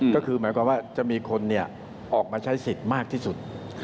ก็คือหมายความว่าจะมีคนออกมาใช้สิทธิ์มากที่สุด